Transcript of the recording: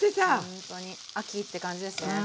ほんとに秋って感じですね。